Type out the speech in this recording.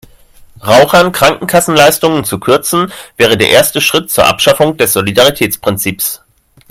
Rauchern Krankenkassenleistungen zu kürzen, wäre der erste Schritt zur Abschaffung des Solidaritätsprinzips.